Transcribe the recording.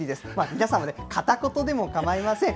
皆さんね、片言でもかまいません。